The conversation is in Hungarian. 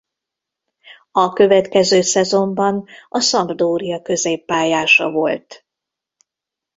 A következő szezonban a Sampdoria középpályása volt.